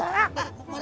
gak ada apa